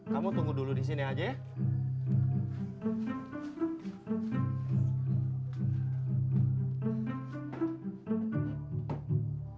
kamu tunggu dulu disini aja ya